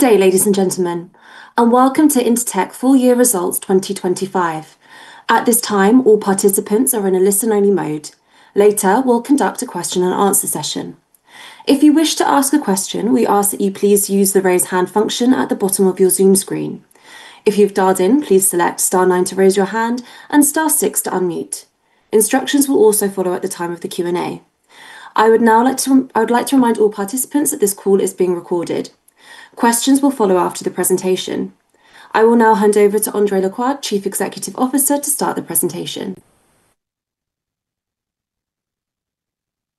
Good day, ladies and gentlemen, welcome to Intertek Full Year Results 2025. At this time, all participants are in a listen-only mode. Later, we'll conduct a question and answer session. If you wish to ask a question, we ask that you please use the Raise Hand function at the bottom of your Zoom screen. If you've dialed in, please select star nine to raise your hand and star six to unmute. Instructions will also follow at the time of the Q&A. I would like to remind all participants that this call is being recorded. Questions will follow after the presentation. I will now hand over to André Lacroix, Chief Executive Officer, to start the presentation.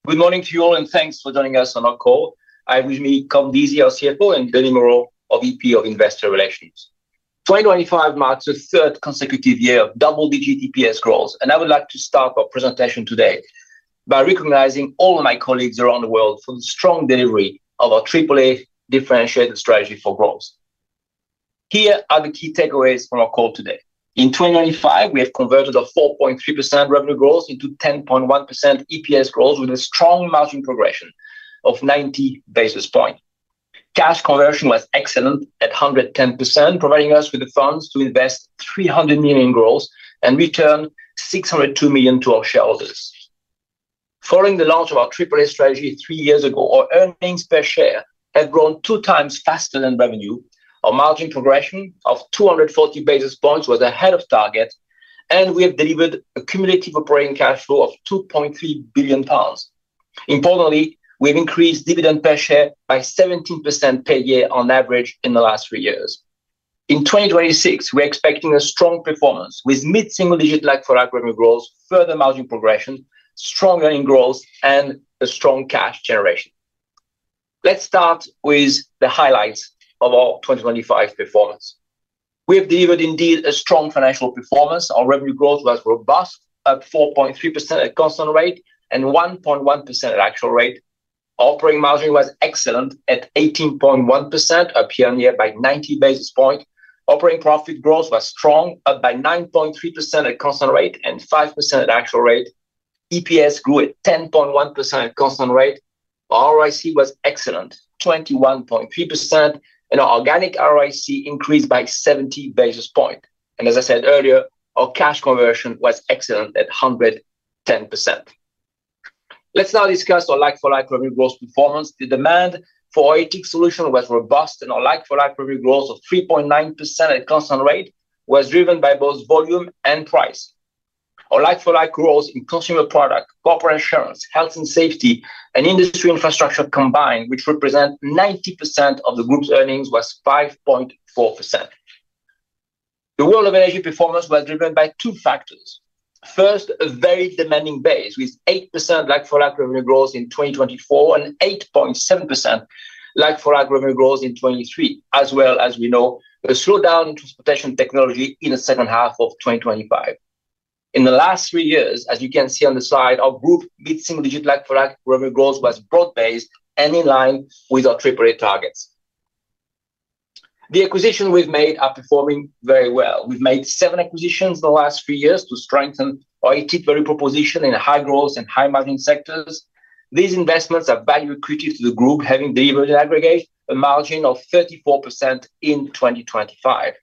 Good morning to you all. Thanks for joining us on our call. I have with me Colm Deasy, our Chief Financial Officer, and Denis Moreau, our Vice President of Investor Relations. 2025 marks the third consecutive year of double-digit EPS growth. I would like to start our presentation today by recognizing all of my colleagues around the world for the strong delivery of our AAA differentiated strategy for growth. Here are the key takeaways from our call today. In 2025, we have converted a 4.3% revenue growth into 10.1% EPS growth with a strong margin progression of 90 basis points. Cash conversion was excellent at 110%, providing us with the funds to invest 300 million in growth and return 602 million to our shareholders. Following the launch of our AAA strategy three-years ago, our earnings per share have grown two times faster than revenue. Our margin progression of 240 basis points was ahead of target, and we have delivered a cumulative operating cash flow of 2.3 billion pounds. Importantly, we've increased dividend per share by 17% per year on average in the last three-years. In 2026, we're expecting a strong performance with mid-single-digit like-for-like revenue growth, further margin progression, strong earnings growth, and a strong cash generation. Let's start with the highlights of our 2025 performance. We have delivered indeed a strong financial performance. Our revenue growth was robust at 4.3% at constant rate and 1.1% at actual rate. Operating margin was excellent at 18.1%, up year-on-year by 90 basis points. Operating profit growth was strong, up by 9.3% at constant rate and 5% at actual rate. EPS grew at 10.1% at constant rate. ROIC was excellent, 21.3%, and our organic ROIC increased by 70 basis points. As I said earlier, our cash conversion was excellent at 110%. Let's now discuss our like-for-like revenue growth performance. The demand for our IT solution was robust, and our like-for-like revenue growth of 3.9% at constant rate was driven by both volume and price. Our like-for-like growth in consumer product, corporate insurance, health and safety, and industry infrastructure combined, which represent 90% of the group's earnings, was 5.4%. The world of energy performance was driven by two factors. First, a very demanding base with 8% like-for-like revenue growth in 2024 and 8.7% like-for-like revenue growth in 2023. As well as, we know, a slowdown in transportation technology in the second half of 2025. In the last three-years, as you can see on the side, our group mid-single-digit like-for-like revenue growth was broad-based and in line with our AAA targets. The acquisitions we've made are performing very well. We've made seven acquisitions the last few years to strengthen our IT value proposition in high-growth and high-margin sectors. These investments are value accretive to the group, having delivered in aggregate a margin of 34% in 2025.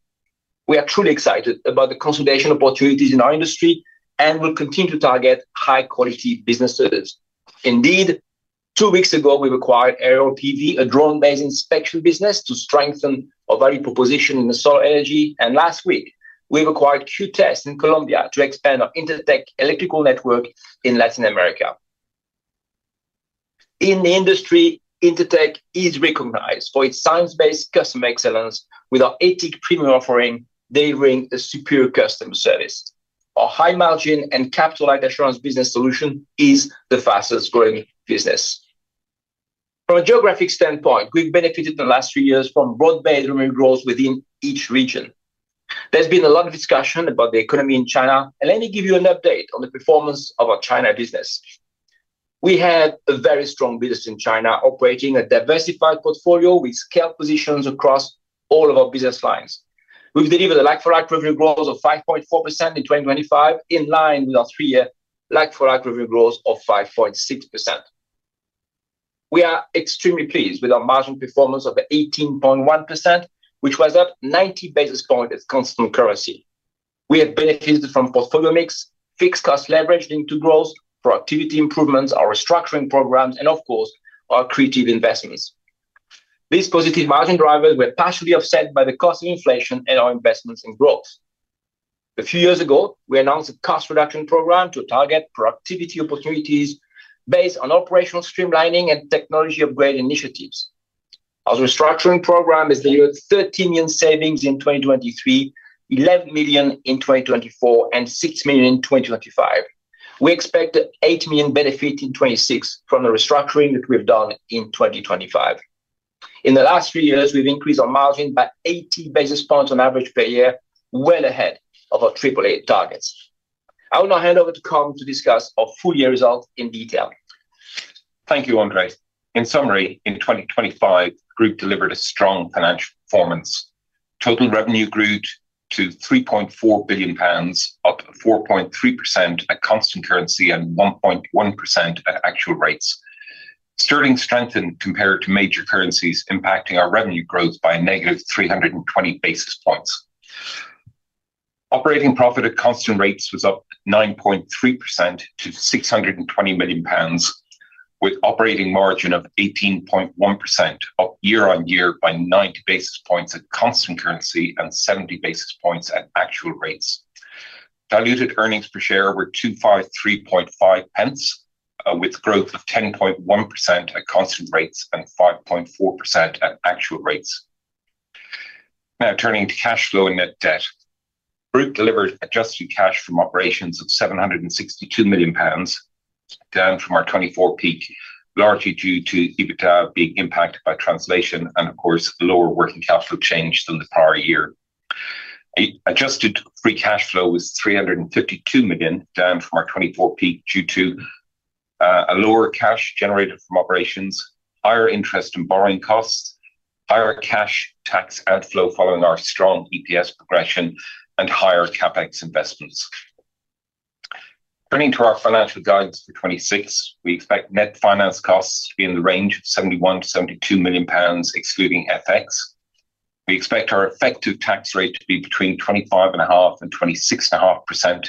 We are truly excited about the consolidation opportunities in our industry and will continue to target high-quality business service. Two weeks ago, we acquired Aerial PV, a drone-based inspection business, to strengthen our value proposition in the solar energy. Last week, we acquired QTEST in Colombia to expand our Intertek electrical network in Latin America. In the industry, Intertek is recognized for its science-based customer excellence. With our IT premium offering, delivering a superior customer service. Our high-margin and capital assurance business solution is the fastest-growing business. From a geographic standpoint, we've benefited in the last few years from broad-based revenue growth within each region. There's been a lot of discussion about the economy in China, and let me give you an update on the performance of our China business. We have a very strong business in China, operating a diversified portfolio with scale positions across all of our business lines. We've delivered a like-for-like revenue growth of 5.4% in 2025, in line with our three-year like-for-like revenue growth of 5.6%. We are extremely pleased with our margin performance of 18.1%, which was up 90 basis points at constant currency. We have benefited from portfolio mix, fixed cost leverage into growth, productivity improvements, our restructuring programs, and of course, our accretive investments. These positive margin drivers were partially offset by the cost of inflation and our investments in growth. A few years ago, we announced a cost reduction program to target productivity opportunities based on operational streamlining and technology upgrade initiatives. Our restructuring program has delivered 13 million savings in 2023, 11 million in 2024, and 6 million in 2025. We expect 8 million benefit in 2026 from the restructuring that we have done in 2025. In the last few years, we've increased our margin by 80 basis points on average per year, well ahead of our AAA targets. I will now hand over to Colm to discuss our full year results in detail. Thank you, André. In summary, in 2025, Group delivered a strong financial performance. Total revenue grew to 3.4 billion pounds, up 4.3% at constant currency and 1.1% at actual rates. Sterling strengthened compared to major currencies, impacting our revenue growth by a negative 320 basis points. Operating profit at constant rates was up 9.3% to 620 million pounds, with operating margin of 18.1%, up year on year by 90 basis points at constant currency and 70 basis points at actual rates. Diluted earnings per share were 253.5 pence, with growth of 10.1% at constant rates and 5.4% at actual rates. Turning to cash flow and net debt. Group delivered adjusted cash from operations of 762 million pounds, down from our 2024 peak, largely due to EBITDA being impacted by translation and of course lower working capital change than the prior year. Adjusted free cash flow was 352 million, down from our 2024 peak due to a lower cash generated from operations, higher interest in borrowing costs, higher cash tax outflow following our strong EPS progression and higher CapEx investments. Turning to our financial guidance for 2026, we expect net finance costs to be in the range of 71 million-72 million pounds, excluding FX. We expect our effective tax rate to be between 25.5% and 26.5%.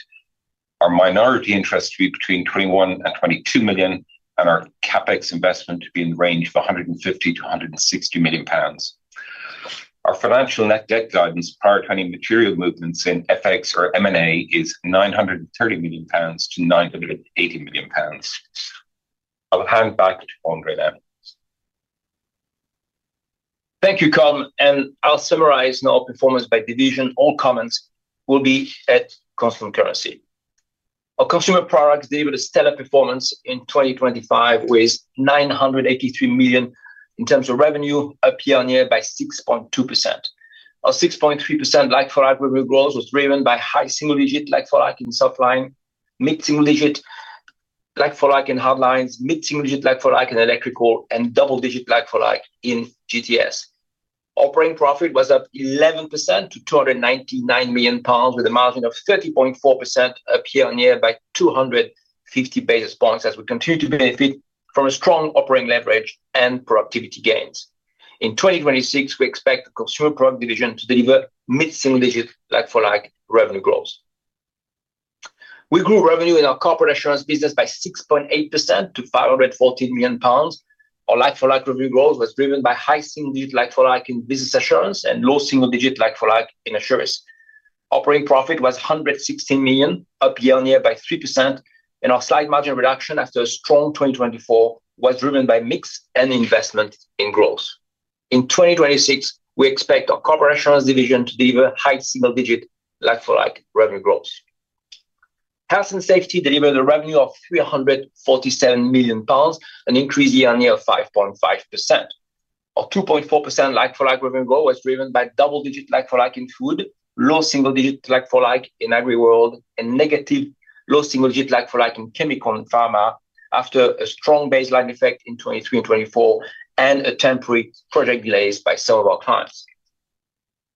Our minority interest to be between 21 million and 22 million, and our CapEx investment to be in the range of 150 million-160 million pounds. Our financial net debt guidance, prior to any material movements in FX or M&A, is 930 million-980 million pounds. I'll hand back to André then. Thank you, Colm, I'll summarize now performance by division. All comments will be at constant currency. Our consumer products delivered a stellar performance in 2025 with 983 million in terms of revenue, up year-on-year by 6.2%. Our 6.3% like-for-like revenue growth was driven by high single-digit like-for-like in softline, mid-single-digit like-for-like in hardlines, mid-single-digit like-for-like in electrical, and double-digit like-for-like in GTS. Operating profit was up 11% to 299 million pounds, with a margin of 30.4% up year-on-year by 250 basis points as we continue to benefit from a strong operating leverage and productivity gains. In 2026, we expect the consumer product division to deliver mid-single-digit like-for-like revenue growth. We grew revenue in our corporate insurance business by 6.8% to 514 million pounds. Our like-for-like revenue growth was driven by high single-digit like-for-like in business insurance and low single-digit like-for-like in assurance. Operating profit was 116 million, up year-on-year by 3%, and our slight margin reduction after a strong 2024 was driven by mix and investment in growth. In 2026, we expect our corporate insurance division to deliver high single-digit like-for-like revenue growth. Health and safety delivered a revenue of 347 million pounds, an increase year-on-year of 5.5%. Our 2.4% like-for-like revenue growth was driven by double-digit like-for-like in food, low single-digit like-for-like in AgriWorld, and negative low single-digit like-for-like in chemical and pharma after a strong baseline effect in 2023 and 2024 and a temporary project delays by several clients.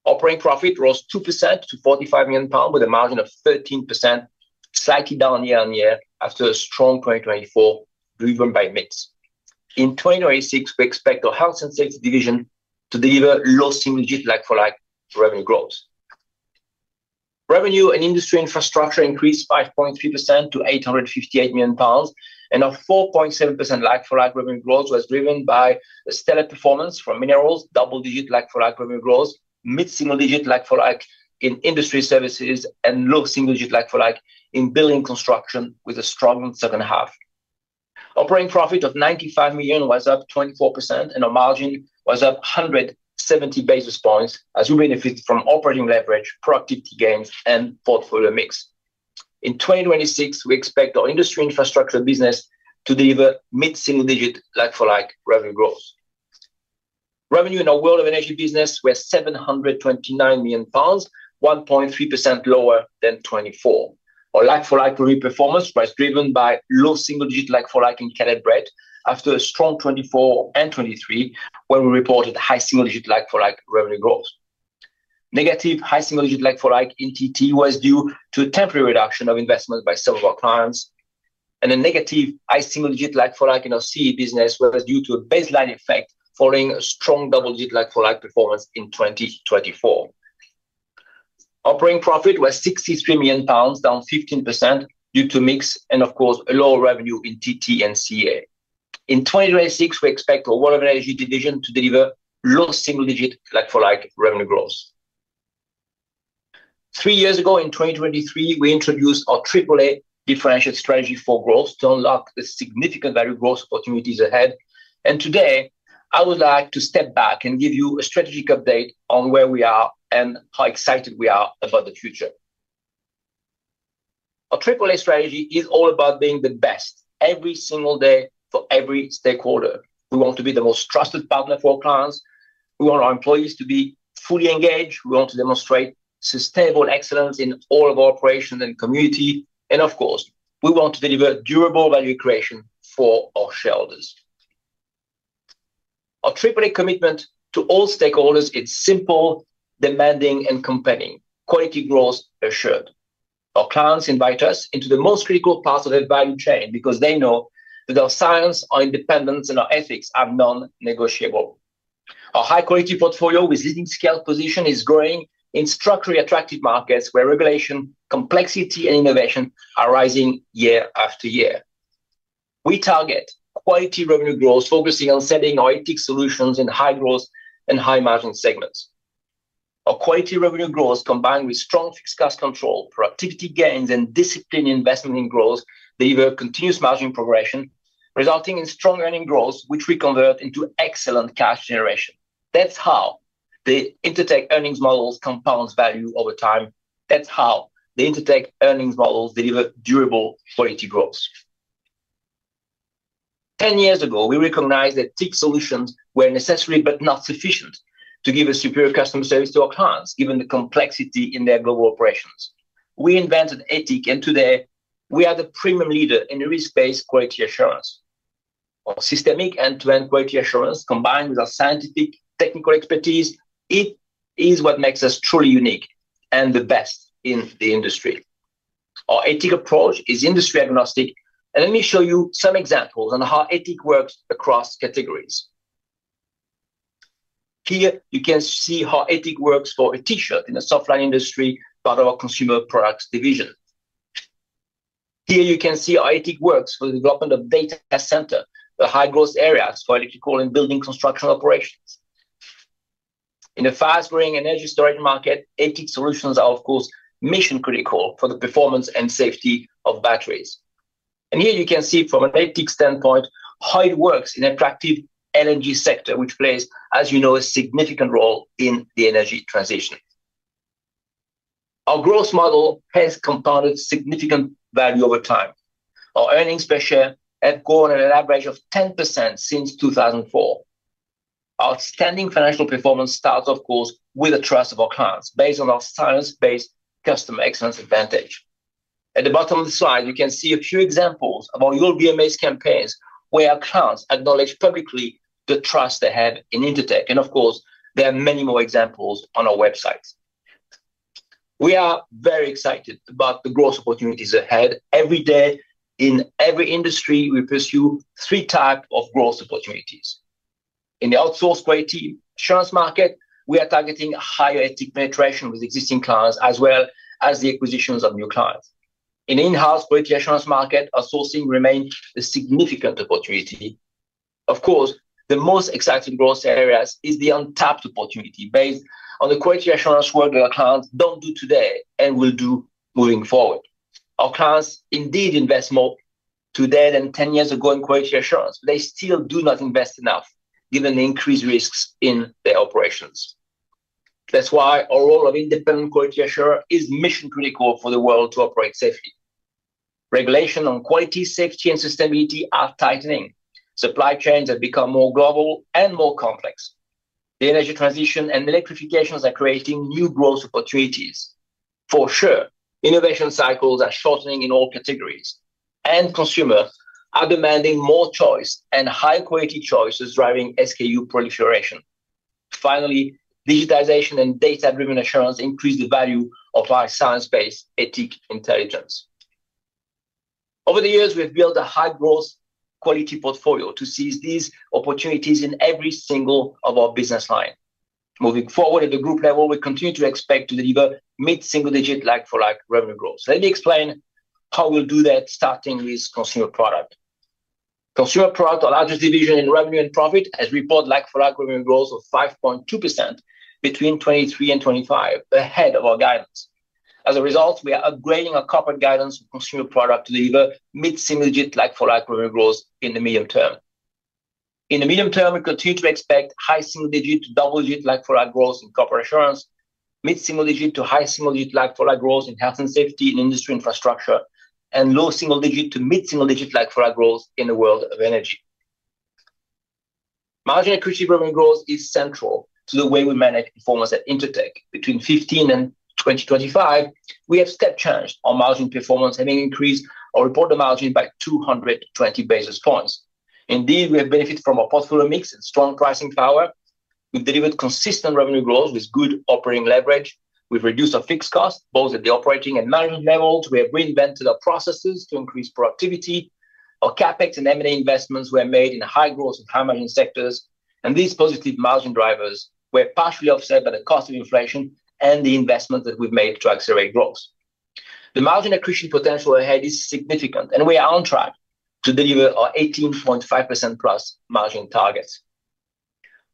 Operating profit rose 2% to 45 million pounds with a margin of 13%, slightly down year-on-year after a strong 2024 driven by mix. In 2026, we expect our health and safety division to deliver low single-digit like-for-like revenue growth. Revenue in industry infrastructure increased 5.3% to 858 million pounds. Our 4.7% like-for-like revenue growth was driven by a stellar performance from minerals, double-digit like-for-like revenue growth, mid-single-digit like-for-like in industry services, and low single-digit like-for-like in building construction with a strong second half. Operating profit of 95 million was up 24%, our margin was up 170 basis points as we benefit from operating leverage, productivity gains, and portfolio mix. In 2026, we expect our industry infrastructure business to deliver mid-single-digit like-for-like revenue growth. Revenue in our world of energy business was 729 million pounds, 1.3% lower than 2024. Our like-for-like revenue performance was driven by low single-digit like-for-like in Canada Bread after a strong 2024 and 2023, when we reported high single-digit like-for-like revenue growth. Negative high single-digit like-for-like in TT was due to a temporary reduction of investment by several clients. A negative high single-digit like-for-like in our CE business was due to a baseline effect following a strong double-digit like-for-like performance in 2024. Operating profit was 63 million pounds, down 15% due to mix and of course a lower revenue in TT and CA. In 2026, we expect our world of energy division to deliver low single-digit like-for-like revenue growth. Three years ago in 2023, we introduced our AAA differentiated strategy for growth to unlock the significant value growth opportunities ahead. Today, I would like to step back and give you a strategic update on where we are and how excited we are about the future. Our AAA strategy is all about being the best every single day for every stakeholder. We want to be the most trusted partner for our clients. We want our employees to be fully engaged. We want to demonstrate sustainable excellence in all of our operations and community. Of course, we want to deliver durable value creation for our shareholders. Our AAA commitment to all stakeholders, it's simple, demanding, and compelling. Quality growth assured. Our clients invite us into the most critical parts of their value chain because they know that our science, our independence, and our ethics are non-negotiable. Our high-quality portfolio with leading scale position is growing in structurally attractive markets where regulation, complexity, and innovation are rising year after year. We target quality revenue growth, focusing on selling our ATIC solutions in high-growth and high-margin segments. Our quality revenue growth, combined with strong fixed cost control, productivity gains, and disciplined investment in growth, deliver continuous margin progression, resulting in strong earning growth, which we convert into excellent cash generation. That's how the Intertek earnings models compounds value over time. That's how the Intertek earnings models deliver durable quality growth. Ten years ago, we recognized that ATIC solutions were necessary but not sufficient to give a superior customer service to our clients, given the complexity in their global operations. We invented ATIC, and today we are the premium leader in risk-based quality assurance. Our systemic end-to-end quality assurance, combined with our scientific technical expertise, it is what makes us truly unique and the best in the industry. Our ATIC approach is industry-agnostic. Let me show you some examples on how ATIC works across categories. Here you can see how ATIC works for a T-shirt in the softline industry part of our consumer products division. Here you can see how ATIC works for the development of data center, the high-growth areas for electrical and building construction operations. In the fast-growing energy storage market, ATIC solutions are of course mission-critical for the performance and safety of batteries. Here you can see from an ATIC standpoint how it works in attractive energy sector, which plays, as you know, a significant role in the energy transition. Our growth model has compounded significant value over time. Our earnings per share have grown at an average of 10% since 2004. Outstanding financial performance starts, of course, with the trust of our clients based on our science-based customer excellence advantage. At the bottom of the slide, you can see a few examples of our Your BMAs campaigns, where our clients acknowledge publicly the trust they have in Intertek. Of course, there are many more examples on our website. We are very excited about the growth opportunities ahead. Every day in every industry, we pursue three types of growth opportunities. In the outsourced quality assurance market, we are targeting higher ATIC penetration with existing clients as well as the acquisitions of new clients. In in-house quality assurance market, outsourcing remains a significant opportunity. Of course, the most exciting growth areas is the untapped opportunity based on the quality assurance work that our clients don't do today and will do moving forward. Our clients indeed invest more today than 10 years ago in quality assurance. They still do not invest enough given the increased risks in their operations. That's why our role of independent quality assurer is mission-critical for the world to operate safely. Regulation on quality, safety, and sustainability are tightening. Supply chains have become more global and more complex. The energy transition and electrifications are creating new growth opportunities. For sure, innovation cycles are shortening in all categories. Consumers are demanding more choice and high-quality choices driving SKU proliferation. Finally, digitization and data-driven assurance increase the value of our science-based ATIC intelligence. Over the years, we have built a high-growth quality portfolio to seize these opportunities in every single of our business line. Moving forward at the group level, we continue to expect to deliver mid-single-digit like-for-like revenue growth. Let me explain how we'll do that starting with consumer product. Consumer product, our largest division in revenue and profit, has reported like-for-like revenue growth of 5.2% between 2023 and 2025, ahead of our guidance. As a result, we are upgrading our corporate guidance for consumer product to deliver mid-single-digit like-for-like revenue growth in the medium term. In the medium term, we continue to expect high single-digit to double-digit like-for-like growth in corporate assurance, mid-single-digit to high single-digit like-for-like growth in health and safety and industry infrastructure, and low single-digit to mid-single-digit like-for-like growth in the world of energy. Margin accretion revenue growth is central to the way we manage performance at Intertek. Between 2015 and 2025, we have step changed our margin performance, having increased our reported margin by 220 basis points. We have benefited from our portfolio mix and strong pricing power. We've delivered consistent revenue growth with good operating leverage. We've reduced our fixed cost, both at the operating and management levels. We have reinvented our processes to increase productivity. Our CapEx and M&A investments were made in high-growth and high-margin sectors. These positive margin drivers were partially offset by the cost of inflation and the investment that we've made to accelerate growth. The margin accretion potential ahead is significant, and we are on track to deliver our 18.5% plus margin targets.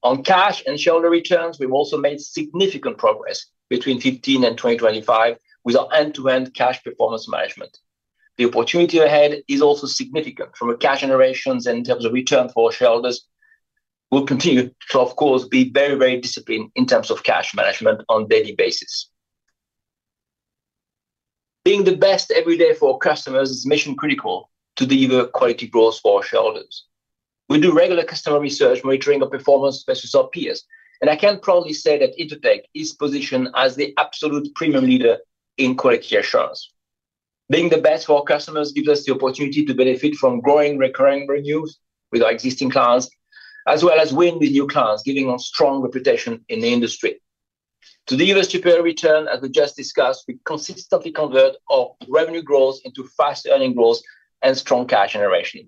On cash and shareholder returns, we've also made significant progress between 2015 and 2025 with our end-to-end cash performance management. The opportunity ahead is also significant from a cash generations in terms of return for our shareholders. We'll continue to of course, be very disciplined in terms of cash management on daily basis. Being the best every day for our customers is mission-critical to deliver quality growth for our shareholders. We do regular customer research monitoring our performance versus our peers, and I can proudly say that Intertek is positioned as the absolute premium leader in quality assurance. Being the best for our customers gives us the opportunity to benefit from growing recurring revenues with our existing clients, as well as win with new clients, giving us strong reputation in the industry. To deliver superior return, as we just discussed, we consistently convert our revenue growth into fast earning growth and strong cash generation.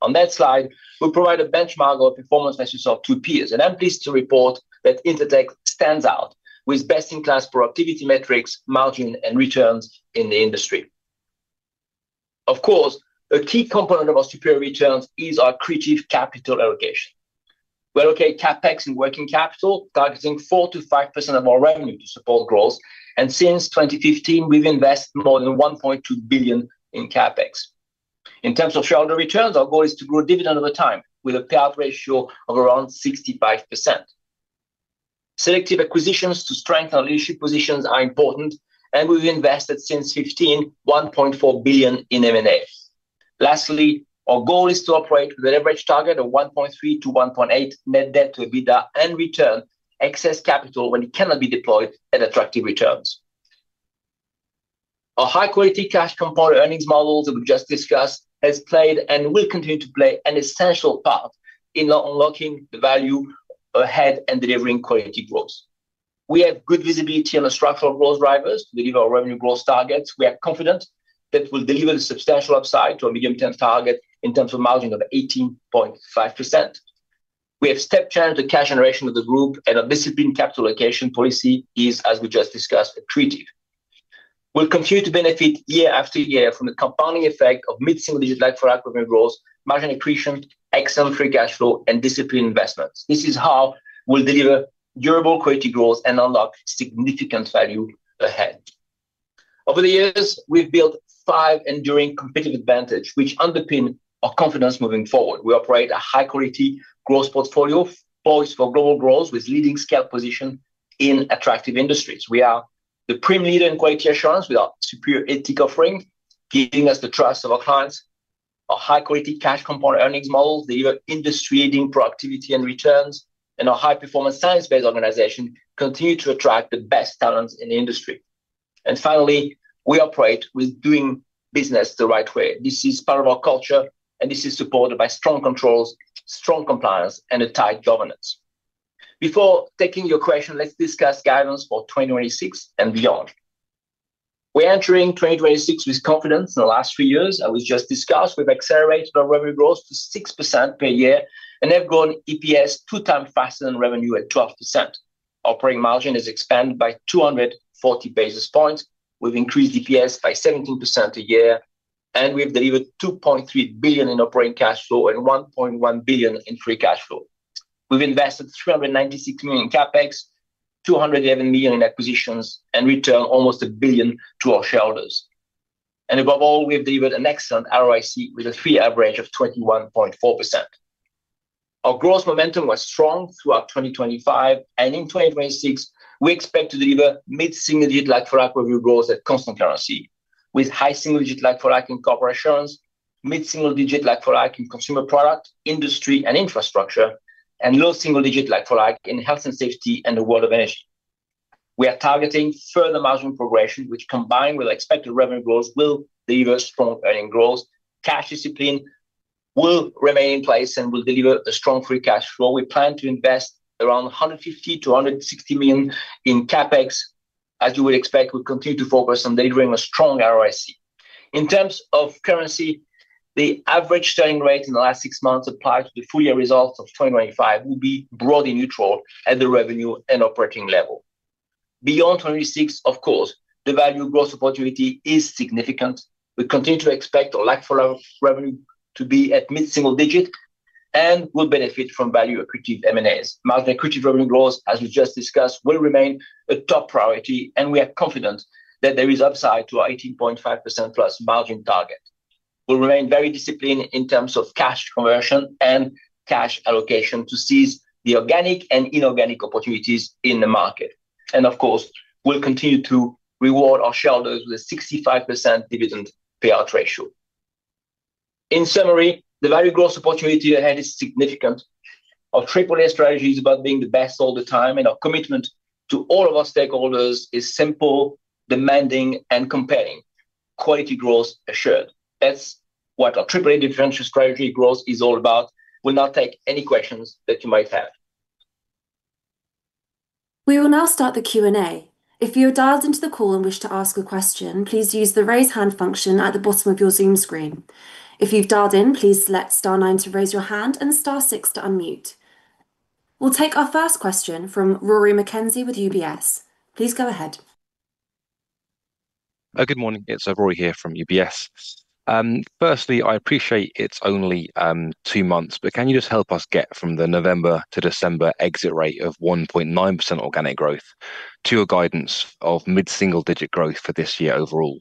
On that slide, we provide a benchmark of performance versus our two peers, and I'm pleased to report that Intertek stands out with best-in-class productivity metrics, margin, and returns in the industry. Of course, a key component of our superior returns is our accretive capital allocation. We allocate CapEx and working capital, targeting 4%-5% of our revenue to support growth. Since 2015, we've invested more than 1.2 billion in CapEx. In terms of shareholder returns, our goal is to grow dividend over time with a payout ratio of around 65%. Selective acquisitions to strengthen our leadership positions are important, and we've invested since 2015, 1.4 billion in M&A. Lastly, our goal is to operate with a leverage target of 1.3-1.8 net debt to EBITDA and return excess capital when it cannot be deployed at attractive returns. Our high-quality cash component earnings model that we've just discussed has played and will continue to play an essential part in unlocking the value ahead and delivering quality growth. We have good visibility on the structural growth drivers to deliver our revenue growth targets. We are confident that we'll deliver the substantial upside to our medium-term target in terms of margin of 18.5%. We have step-changed the cash generation of the group and our disciplined capital allocation policy is, as we just discussed, accretive. We'll continue to benefit year after year from the compounding effect of mid-single-digit like-for-accreting growth, margin accretion, excellent free cash flow, and disciplined investments. This is how we'll deliver durable quality growth and unlock significant value ahead. Over the years, we've built five enduring competitive advantage, which underpin our confidence moving forward. We operate a high-quality growth portfolio poised for global growth with leading scale position in attractive industries. We are the premier leader in quality assurance with our superior IT offering, giving us the trust of our clients. Our high-quality cash component earnings model deliver industry-leading productivity and returns, and our high-performance science-based organization continue to attract the best talents in the industry. Finally, we operate with doing business the right way. This is part of our culture, and this is supported by strong controls, strong compliance, and a tight governance. Before taking your question, let's discuss guidance for 2026 and beyond. We're entering 2026 with confidence. In the last three years, as we just discussed, we've accelerated our revenue growth to 6% per year and have grown EPS 2 times faster than revenue at 12%. Operating margin has expanded by 240 basis points. We've increased EPS by 17% a year, and we've delivered 2.3 billion in operating cash flow and 1.1 billion in free cash flow. We've invested 396 million in CapEx, 211 million in acquisitions, and returned almost 1 billion to our shareholders. Above all, we have delivered an excellent ROIC with a three-year average of 21.4%. Our growth momentum was strong throughout 2025. In 2026, we expect to deliver mid-single-digit like-for-like revenue growth at constant currency with high single-digit like-for-like in corporations, mid-single-digit like-for-like in consumer product, industry, and infrastructure, and low single-digit like-for-like in health and safety and the world of energy. We are targeting further margin progression, which combined with expected revenue growth, will deliver strong earning growth. Cash discipline will remain in place and will deliver a strong free cash flow. We plan to invest around 150 million-160 million in CapEx. As you would expect, we continue to focus on delivering a strong ROIC. In terms of currency, the average selling rate in the last six months applied to the full year results of 2025 will be broadly neutral at the revenue and operating level. Beyond 2026, of course, the value growth opportunity is significant. We continue to expect our like-for-like revenue to be at mid-single digit and will benefit from value accretive M&As. Margin accretive revenue growth, as we just discussed, will remain a top priority. We are confident that there is upside to our 18.5%+ margin target. We'll remain very disciplined in terms of cash conversion and cash allocation to seize the organic and inorganic opportunities in the market. Of course, we'll continue to reward our shareholders with a 65% dividend payout ratio. In summary, the value growth opportunity ahead is significant. Our triple A strategy is about being the best all the time, and our commitment to all of our stakeholders is simple, demanding, and compelling. Quality growth assured. That's what our triple A differential strategy growth is all about. We'll now take any questions that you might have. We will now start the Q&A. If you have dialed into the call and wish to ask a question, please use the raise hand function at the bottom of your Zoom screen. If you've dialed in, please select star nine to raise your hand and star six to unmute. We'll take our first question from Rory McKenzie with UBS. Please go ahead. Good morning. It's Rory here from UBS. Firstly, I appreciate it's only, two months, but can you just help us get from the November to December exit rate of 1.9% organic growth to a guidance of mid-single-digit growth for this year overall?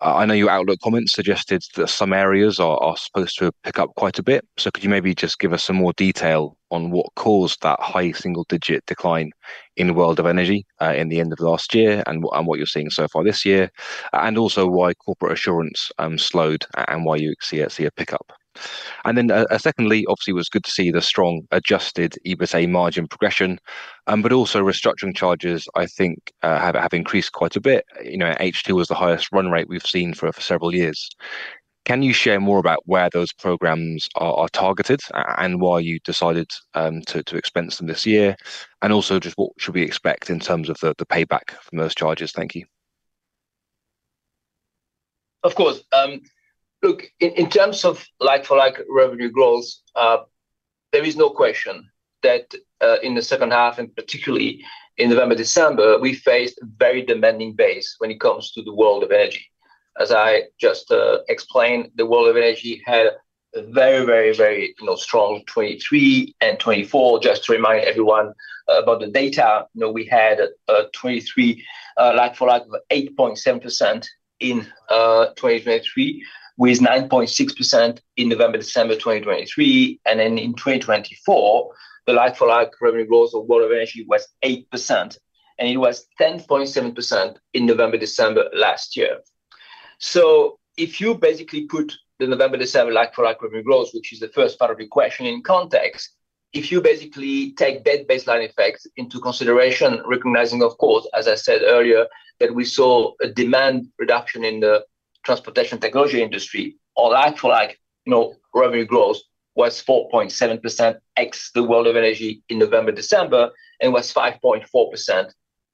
I know your outlook comments suggested that some areas are supposed to pick up quite a bit. Could you maybe just give us some more detail on what caused that high single-digit decline in world of energy in the end of last year and what you're seeing so far this year, and also why corporate assurance slowed and why you see a pickup? Secondly, obviously it was good to see the strong Adjusted EBITA margin progression, but also restructuring charges I think, have increased quite a bit. You know, H2 was the highest run rate we've seen for several years. Can you share more about where those programs are targeted and why you decided to expense them this year? Also just what should we expect in terms of the payback from those charges? Thank you. Of course. Look, in terms of like-for-like revenue growth, there is no question that in the second half, and particularly in November, December, we faced very demanding base when it comes to the world of energy. As I just explained, the world of energy had a very strong 2023 and 2024. Just to remind everyone about the data, you know, we had 2023 like for like with 8.7% in 2023, with 9.6% in November, December 2023. In 2024, the like for like revenue growth of world of energy was 8%, and it was 10.7% in November, December last year. If you basically put the November, December like for like revenue growth, which is the first part of your question in context, if you basically take that baseline effect into consideration, recognizing of course, as I said earlier, that we saw a demand reduction in the transportation technology industry, our like for like, you know, revenue growth was 4.7% ex the world of energy in November, December, and was 5.4%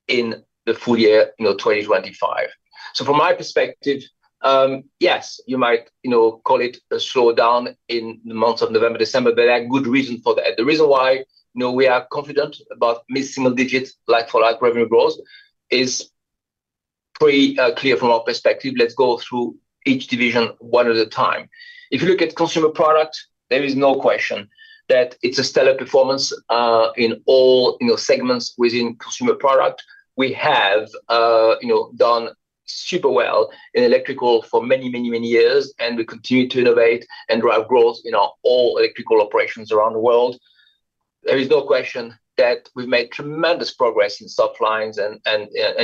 in the full year, you know, 2025. From my perspective, yes, you might, you know, call it a slowdown in the months of November, December, but there are good reason for that. The reason why, you know, we are confident about mid-single digits like for like revenue growth is pretty clear from our perspective. Let's go through each division one at a time. If you look at consumer product, there is no question that it's a stellar performance, in all, you know, segments within consumer product. We have, you know, done super well in electrical for many, many, many years, and we continue to innovate and drive growth in our all electrical operations around the world. There is no question that we've made tremendous progress in soft lines and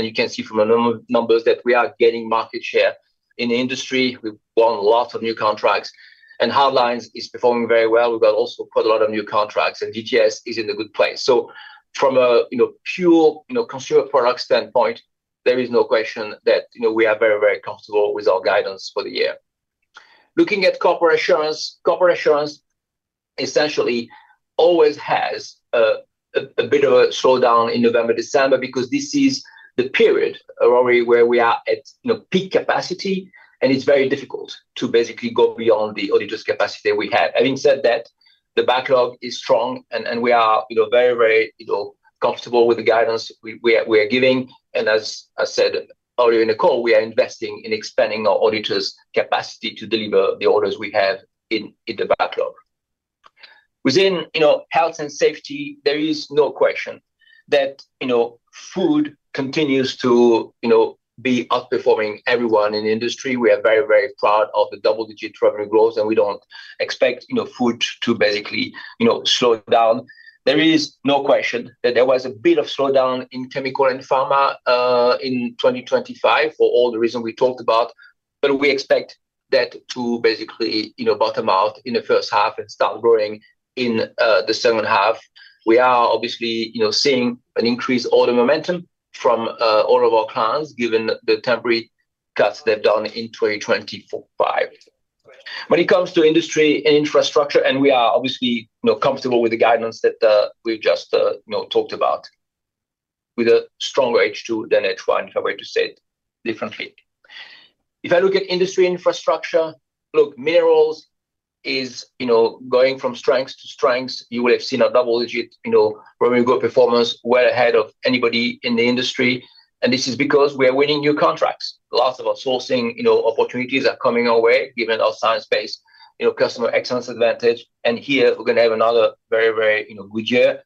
you can see from the numbers that we are gaining market share. In the industry, we've won lots of new contracts, and hard lines is performing very well. We've got also quite a lot of new contracts, and DTS is in a good place. From a, you know, pure, you know, consumer product standpoint, there is no question that, you know, we are very, very comfortable with our guidance for the year. Looking at corporate assurance, corporate assurance essentially always has a bit of a slowdown in November, December because this is the period already where we are at, you know, peak capacity, and it's very difficult to basically go beyond the auditors' capacity that we have. Having said that, the backlog is strong and we are, you know, very comfortable with the guidance we are giving. As I said earlier in the call, we are investing in expanding our auditors' capacity to deliver the orders we have in the backlog. Within, you know, health and safety, there is no question that, you know, food continues to, you know, be outperforming everyone in the industry. We are very proud of the double-digit revenue growth, and we don't expect, you know, food to basically, you know, slow down. There is no question that there was a bit of slowdown in chemical and pharma in 2025 for all the reasons we talked about, but we expect that to basically, you know, bottom out in the first half and start growing in the second half. We are obviously, you know, seeing an increased order momentum from all of our clients given the temporary cuts they've done in 2025. When it comes to industry and infrastructure, we are obviously, you know, comfortable with the guidance that we've just, you know, talked about with a stronger H2 than H1, if I were to say it differently. If I look at industry infrastructure, look, minerals is, you know, going from strengths to strengths. You will have seen a double-digit, you know, revenue growth performance well ahead of anybody in the industry. This is because we are winning new contracts. Lots of our sourcing, you know, opportunities are coming our way given our science-based, you know, customer excellence advantage. Here we're gonna have another very, you know, good year.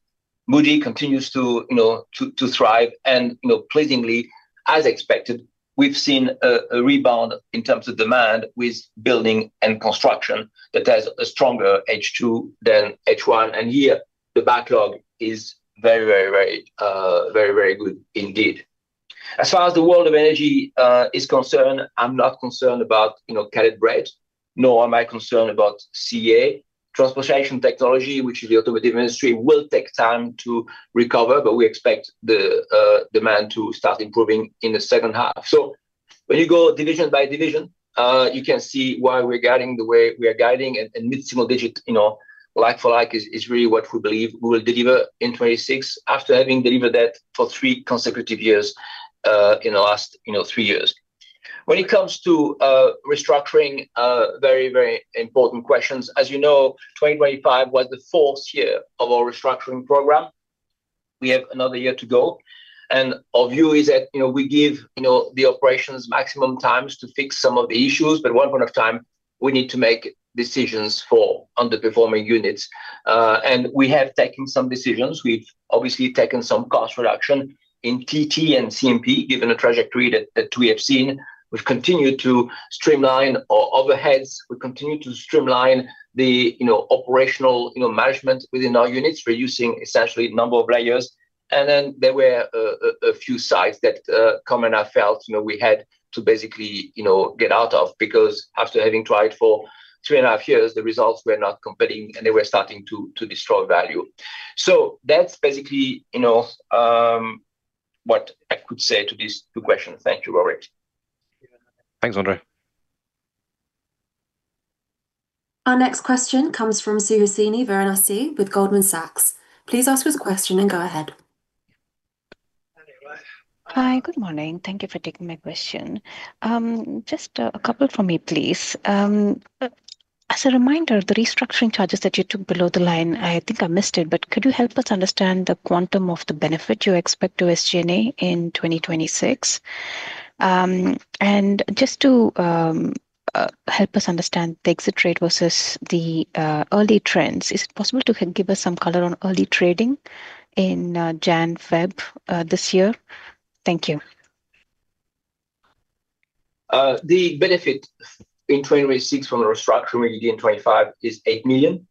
Moody continues to, you know, to thrive. You know, pleasingly, as expected, we've seen a rebound in terms of demand with building and construction that has a stronger H2 than H1. Here the backlog is very good indeed. As far as the world of energy is concerned, I'm not concerned about, you know, Canada Bread, nor am I concerned about CA. Transportation technology, which is the automotive industry, will take time to recover, but we expect the demand to start improving in the second half. When you go division by division, you can see why we're guiding the way we are guiding and mid-single digit, you know, like for like is really what we believe we will deliver in 2026 after having delivered that for 3 consecutive years in the last, you know, three-years. When it comes to restructuring, very, very important questions. As you know, 2025 was the fourth year of our restructuring program. We have another year to go. Our view is that, you know, we give, you know, the operations maximum times to fix some of the issues, but at one point of time, we need to make decisions for underperforming units. We have taken some decisions. We've obviously taken some cost reduction in TT and CMP given the trajectory that we have seen. We've continued to streamline our overheads. We continue to streamline the, you know, operational, you know, management within our units. We're using essentially a number of layers. Then there were a few sites that, common I felt, you know, we had to basically, you know, get out of because after having tried for two and a half years, the results were not competing, and they were starting to destroy value. That's basically, you know, what I could say to these two questions. Thank you, Rory. Thanks, André. Our next question comes from Suhasini Varanasi with Goldman Sachs. Please ask your question and go ahead. Hi, good morning. Thank you for taking my question. Just a couple from me, please. As a reminder, the restructuring charges that you took below the line, I think I missed it, but could you help us understand the quantum of the benefit you expect to SG&A in 2026? Just to help us understand the exit rate versus the early trends, is it possible you can give us some color on early trading in January, February this year? Thank you. The benefit in 2026 from the restructuring we did in 2025 is 8 million.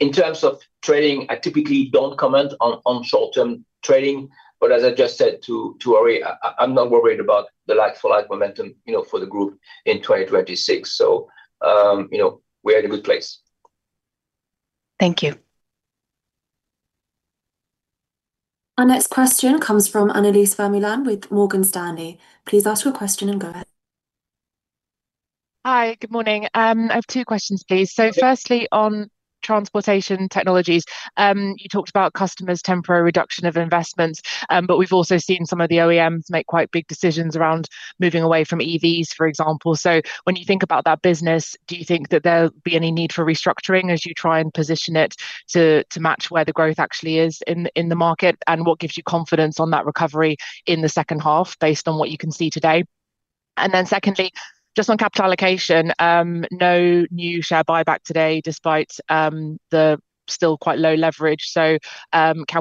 In terms of trading, I typically don't comment on short-term trading, as I just said to Rory, I'm not worried about the like for like momentum, you know, for the group in 2026. You know, we are in a good place. Thank you. Our next question comes from Annelies Vermeulen with Morgan Stanley. Please ask your question and go ahead. Hi, good morning. I have two questions, please. Firstly, on transportation technologies, you talked about customers' temporary reduction of investments, but we've also seen some of the OEMs make quite big decisions around moving away from EVs, for example. When you think about that business, do you think that there'll be any need for restructuring as you try and position it to match where the growth actually is in the market? What gives you confidence on that recovery in the second half based on what you can see today? Secondly, just on capital allocation, no new share buyback today despite the still quite low leverage. Can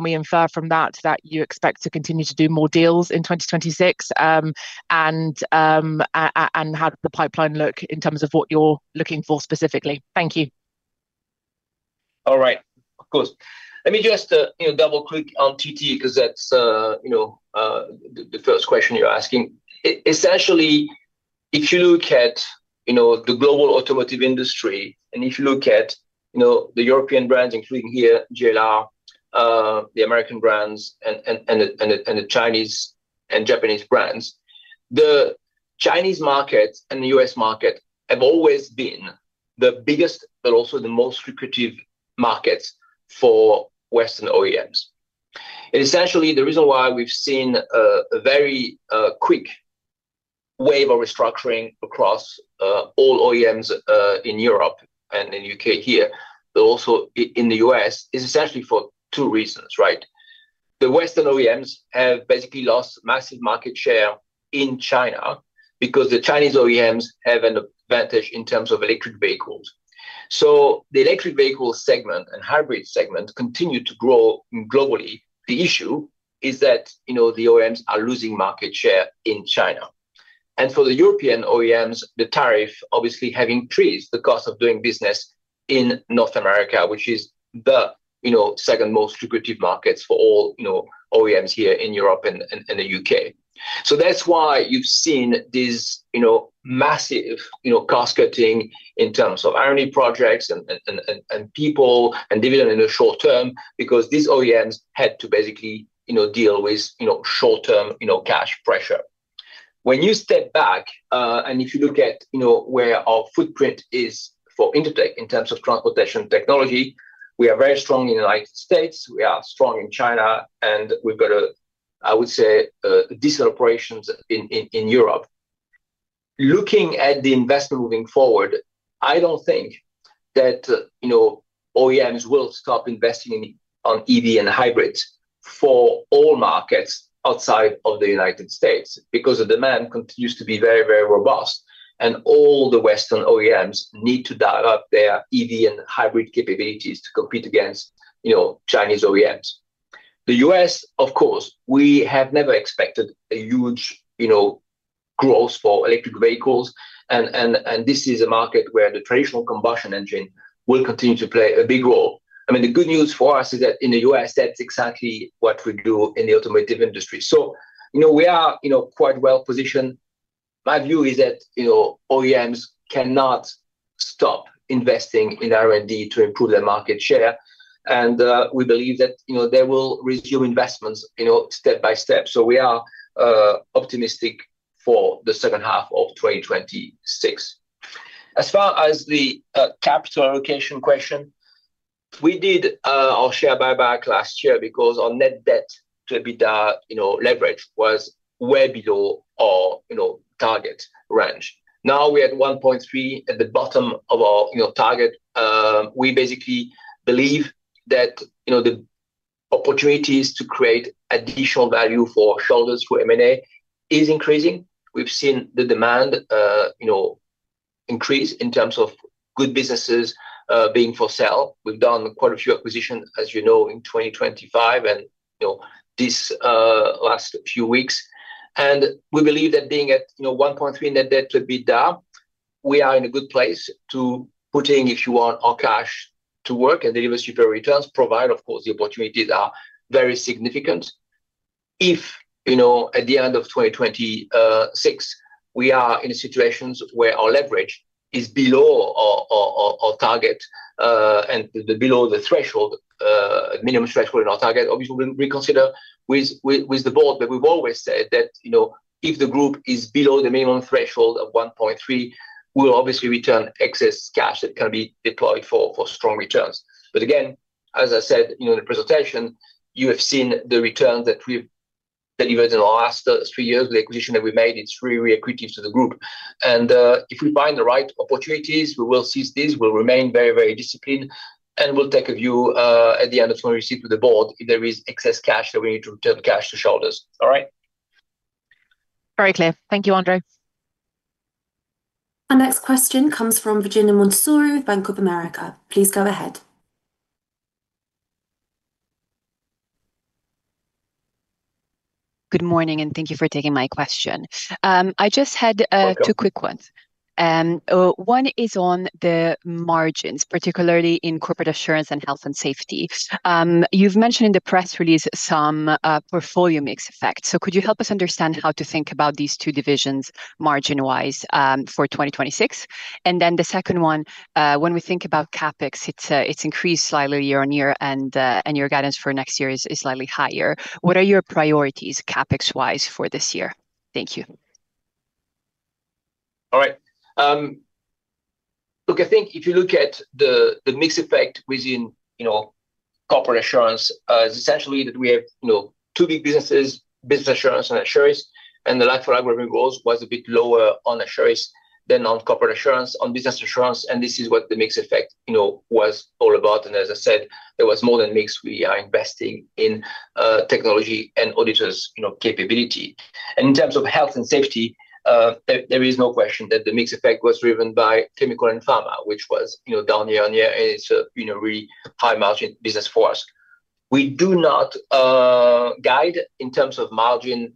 we infer from that you expect to continue to do more deals in 2026? How does the pipeline look in terms of what you're looking for specifically? Thank you. All right. Of course. Let me just, you know, double-click on TT because that's, you know, the first question you're asking. Essentially, if you look at, you know, the global automotive industry, if you look at, you know, the European brands, including here, JLR, the American brands and the Chinese and Japanese brands, the Chinese market and the U.S. market have always been the biggest but also the most lucrative markets for Western OEMs. Essentially, the reason why we've seen a very quick wave of restructuring across all OEMs in Europe and in U.K. here, but also in the U.S., is essentially for two reasons, right? The Western OEMs have basically lost massive market share in China because the Chinese OEMs have an advantage in terms of electric vehicles. The electric vehicle segment and hybrid segment continue to grow globally. The issue is that, you know, the OEMs are losing market share in China. For the European OEMs, the tariff obviously have increased the cost of doing business in North America, which is the, you know, second most lucrative markets for all, you know, OEMs here in Europe and the U.K. That's why you've seen these, you know, massive, you know, cost-cutting in terms of R&D projects and, and people and dividend in the short term because these OEMs had to basically, you know, deal with, you know, short-term, you know, cash pressure. When you step back, and if you look at, you know, where our footprint is for Intertek in terms of transportation technology, we are very strong in the U.S., we are strong in China, and we've got a, I would say, a decent operations in Europe. Looking at the investment moving forward, I don't think that, you know, OEMs will stop investing on EV and hybrids for all markets outside of the U.S. because the demand continues to be very, very robust, and all the Western OEMs need to dial up their EV and hybrid capabilities to compete against, you know, Chinese OEMs. The U.S., of course, we have never expected a huge, you know, growth for electric vehicles and this is a market where the traditional combustion engine will continue to play a big role. I mean, the good news for us is that in the U.S., that's exactly what we do in the automotive industry. You know, we are, you know, quite well positioned. My view is that, you know, OEMs cannot stop investing in R&D to improve their market share and we believe that, you know, they will resume investments, you know, step by step. We are optimistic for the second half of 2026. As far as the capital allocation question, we did our share buyback last year because our net debt to EBITDA, you know, leverage was way below our, you know, target range. Now we're at 1.3 at the bottom of our, you know, target. We basically believe that, you know, the opportunities to create additional value for shareholders through M&A is increasing. We've seen the demand, you know, increase in terms of good businesses being for sale. We've done quite a few acquisitions, as you know, in 2025 and, you know, these last few weeks. We believe that being at, you know, 1.3 net debt to EBITDA. We are in a good place to putting, if you want, our cash to work and deliver superior returns, provided of course, the opportunities are very significant. If, you know, at the end of 2026 we are in situations where our leverage is below our target, and the, below the threshold, minimum threshold in our target, obviously we'll reconsider with the board. We've always said that, you know, if the group is below the minimum threshold of 1.3, we'll obviously return excess cash that can be deployed for strong returns. Again, as I said, you know, in the presentation, you have seen the return that we've delivered in the last three-years. The acquisition that we made, it's really accretive to the group. If we find the right opportunities, we will seize these. We'll remain very, very disciplined, and we'll take a view at the end of the year with the board if there is excess cash that we need to return cash to shareholders. All right? Very clear. Thank you, André. Our next question comes from Virginia Montorsi with Bank of America. Please go ahead. Good morning. Thank you for taking my question. Welcome Two quick ones. One is on the margins, particularly in corporate assurance and health and safety. You've mentioned in the press release some portfolio mix effect. Could you help us understand how to think about these two divisions margin-wise, for 2026? The second one, when we think about CapEx, it's increased slightly year-on-year, and your guidance for next year is slightly higher. What are your priorities CapEx-wise for this year? Thank you. All right, look, I think if you look at the mix effect within, you know, corporate assurance, it's essentially that we have, you know, two big businesses, Business Assurance and Assurance, and the latter program growth was a bit lower on Assurance than on corporate assurance, on Business Assurance, and this is what the mix effect, you know, was all about. As I said, there was more than mix. We are investing in technology and auditors', you know, capability. In terms of health and safety, there is no question that the mix effect was driven by chemical and pharma, which was, you know, down year-on-year, and it's a, you know, really high-margin business for us. We do not guide in terms of margin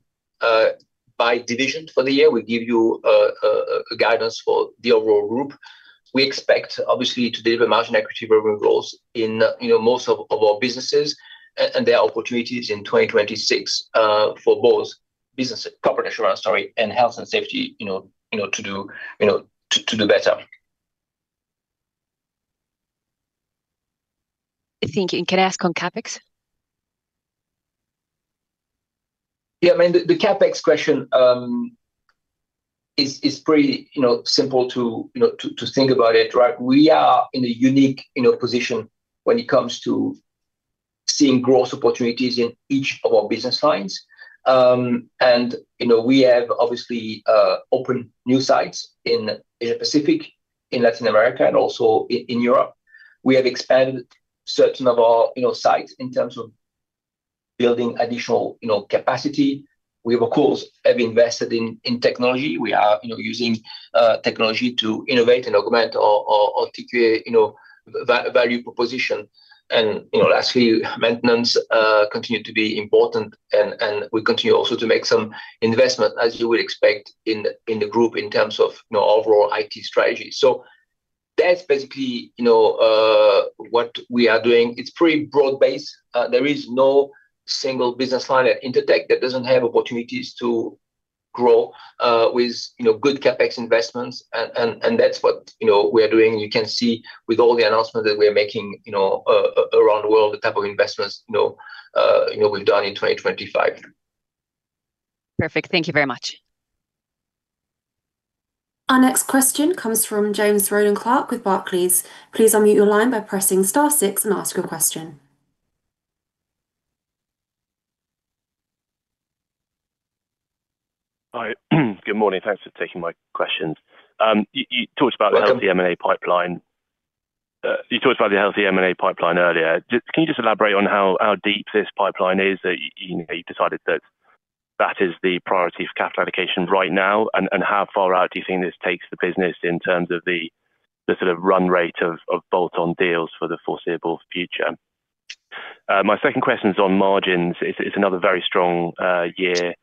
by division for the year. We give you a guidance for the overall group. We expect obviously to deliver margin equity program growth in, you know, most of our businesses there are opportunities in 2026 for both corporate assurance, sorry, and health and safety, you know, to do, you know, to do better. Thank you. Can I ask on CapEx? Yeah. I mean, the CapEx question is pretty, you know, simple to, you know, to think about it, right? We are in a unique, you know, position when it comes to seeing growth opportunities in each of our business lines. You know, we have obviously opened new sites in Pacific, in Latin America, and also in Europe. We have expanded certain of our, you know, sites in terms of building additional, you know, capacity. We, of course, have invested in technology. We are, you know, using technology to innovate and augment our TQA, you know, value proposition. You know, lastly, maintenance continue to be important and we continue also to make some investment as you would expect in the group in terms of, you know, overall IT strategy. That's basically, you know, what we are doing. It's pretty broad-based. There is no single business line at Intertek that doesn't have opportunities to grow, with, you know, good CapEx investments. That's what, you know, we are doing. You can see with all the announcements that we are making, you know, around the world, the type of investments, you know, we've done in 2025. Perfect. Thank you very much. Our next question comes from James Rowland-Clark with Barclays. Please unmute your line by pressing star six and ask your question. Hi. Good morning. Thanks for taking my questions. You talked about. Welcome The healthy M&A pipeline. You talked about the healthy M&A pipeline earlier. Just can you just elaborate on how deep this pipeline is that you know, you decided that that is the priority of capital allocation right now? How far out do you think this takes the business in terms of the sort of run rate of bolt-on deals for the foreseeable future? My second question is on margins. It's another very strong year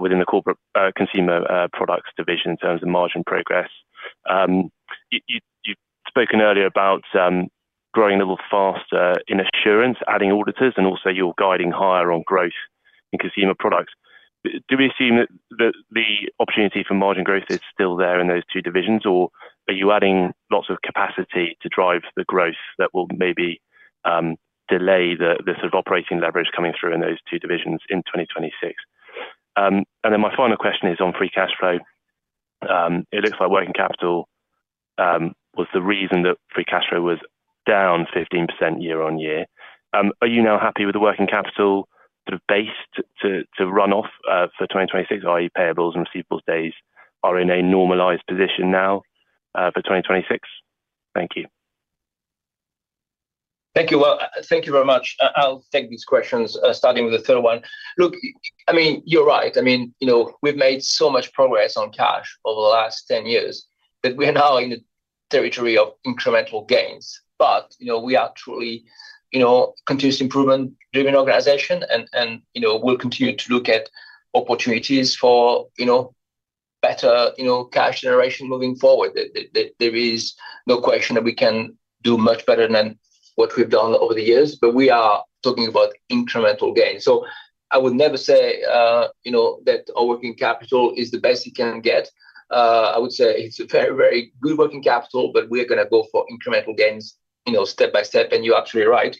within the corporate consumer products division in terms of margin progress. You've spoken earlier about growing a little faster in assurance, adding auditors, and also you're guiding higher on growth in consumer products. Do we assume that the opportunity for margin growth is still there in those two divisions, or are you adding lots of capacity to drive the growth that will maybe delay the sort of operating leverage coming through in those two divisions in 2026? My final question is on free cash flow. It looks like working capital was the reason that free cash flow was down 15% year-on-year. Are you now happy with the working capital sort of base to run off for 2026, i.e. payables and receivables days are in a normalized position now for 2026? Thank you. Thank you. Well, thank you very much. I'll take these questions, starting with the third one. Look, I mean, you're right. I mean, you know, we've made so much progress on cash over the last 10 years that we are now in a territory of incremental gains. You know, we are truly, you know, continuous improvement driven organization and, you know, we'll continue to look at opportunities for, you know, better, you know, cash generation moving forward. There is no question that we can do much better than what we've done over the years, but we are talking about incremental gains. I would never say, you know, that our working capital is the best you can get. I would say it's a very, very good working capital, but we're gonna go for incremental gains, you know, step by step. You're absolutely right,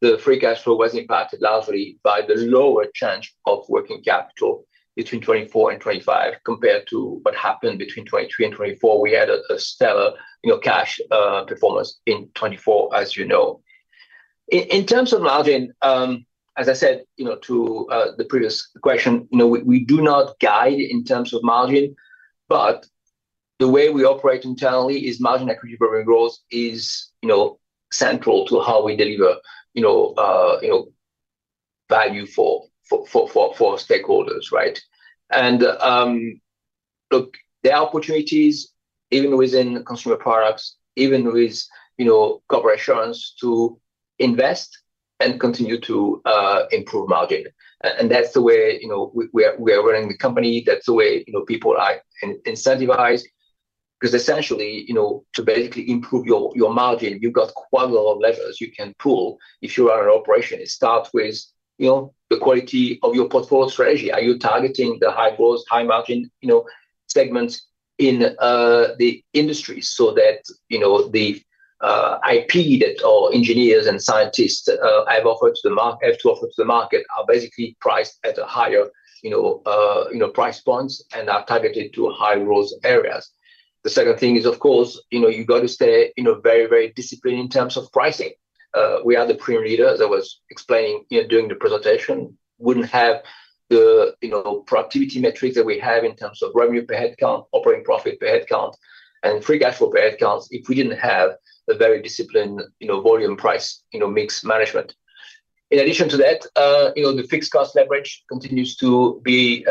the free cash flow was impacted largely by the lower change of working capital between 2024 and 2025 compared to what happened between 2023 and 2024. We had a stellar, you know, cash performance in 2024, as you know. In terms of margin, as I said, you know, to the previous question, you know, we do not guide in terms of margin. The way we operate internally is margin equity program growth is, you know, central to how we deliver, you know, value for stakeholders, right? Look, there are opportunities even within consumer products, even with, you know, corporate insurance to invest and continue to improve margin. That's the way, you know, we are running the company. That's the way, you know, people are incentivized 'cause essentially, you know, to basically improve your margin, you've got quite a lot of levers you can pull if you are an operation. It starts with, you know, the quality of your portfolio strategy. Are you targeting the high growth, high margin, you know, segments in the industry so that, you know, the IP that our engineers and scientists have to offer to the market are basically priced at a higher, you know, price points and are targeted to high growth areas. The second thing is, of course, you know, you've got to stay, you know, very, very disciplined in terms of pricing. We are the premier leader, as I was explaining, you know, during the presentation. Wouldn't have the, you know, productivity metrics that we have in terms of revenue per headcount, operating profit per headcount, and free cash flow per headcount if we didn't have a very disciplined, you know, volume price, you know, mix management. In addition to that, you know, the fixed cost leverage continues to be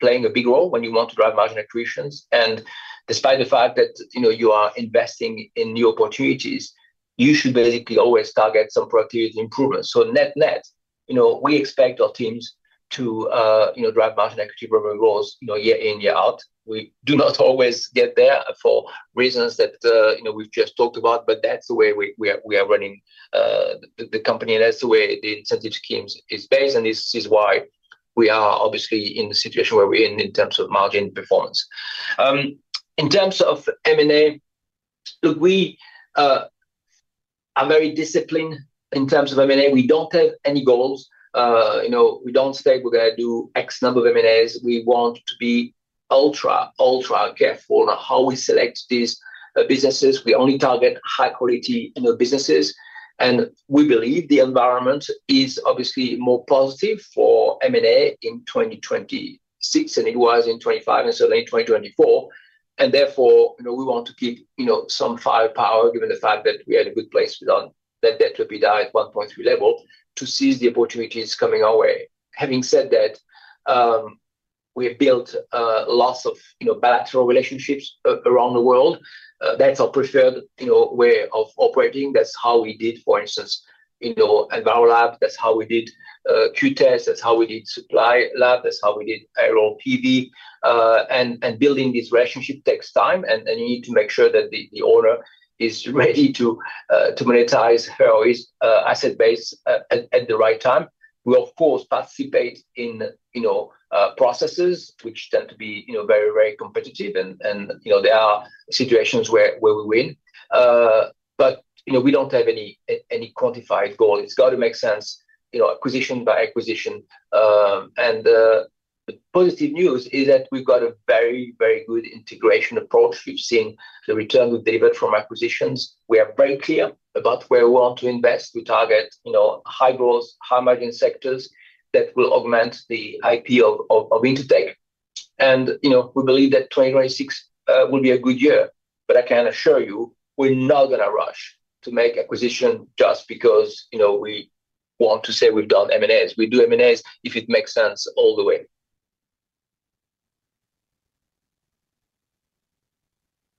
playing a big role when you want to drive margin accretions. Despite the fact that, you know, you are investing in new opportunities, you should basically always target some productivity improvements. Net-net, you know, we expect our teams to, you know, drive margin equity program growth, you know, year in, year out. We do not always get there for reasons that, you know, we've just talked about. That's the way we are running the company. That's the way the incentive schemes is based. This is why we are obviously in the situation where we are in terms of margin performance. In terms of M&A, look, we are very disciplined in terms of M&A. We don't have any goals. You know, we don't state we're gonna do X number of M&As. We want to be ultra careful on how we select these businesses. We only target high quality, you know, businesses, and we believe the environment is obviously more positive for M&A in 2026 than it was in 2025 and certainly in 2024. Therefore, you know, we want to keep, you know, some firepower given the fact that we had a good place with our net debt-to-EBITDA at 1.3 level to seize the opportunities coming our way. Having said that, we have built lots of, you know, bilateral relationships around the world. That's our preferred, you know, way of operating. That's how we did, for instance, you know, Envirolab. That's how we did QTEST. That's how we did Suplilab. That's how we did Aerial PV. And building this relationship takes time and you need to make sure that the owner is ready to monetize her or his asset base at the right time. We of course participate in, you know, processes which tend to be, you know, very competitive and, you know, there are situations where we win. You know, we don't have any quantified goal. It's got to make sense, you know, acquisition by acquisition. The positive news is that we've got a very good integration approach. We've seen the return we've delivered from acquisitions. We are very clear about where we want to invest. We target, you know, high growth, high margin sectors that will augment the IP of Intertek. You know, we believe that 2026 will be a good year. I can assure you, we're not gonna rush to make acquisition just because, you know, we want to say we've done M&As. We do M&As if it makes sense all the way.